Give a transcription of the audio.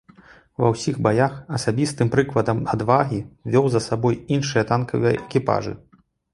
Ва ўсіх баях асабістым прыкладам адвагі вёў за сабой іншыя танкавыя экіпажы.